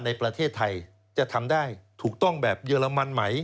ในประเทศไทยจะทำได้ถูกต้องแบบเยอรมันไหม